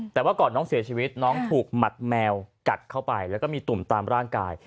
แต่ว่าก่อนน้องเสียชีวิตน้องถูกหมัดแมวกัดเข้าไปแล้วก็มีตุ่มตามร่างกาย